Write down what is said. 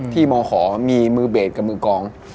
ที่มครมีมือเบสกับมือกอง